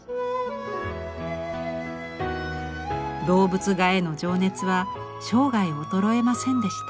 動物画への情熱は生涯衰えませんでした。